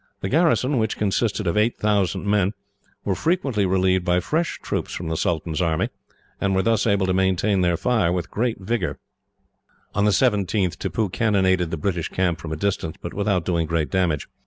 The garrison, which consisted of eight thousand men, were frequently relieved by fresh troops from the sultan's army, and were thus able to maintain their fire with great vigour. On the 17th, Tippoo cannonaded the British camp from a distance, but without doing great damage.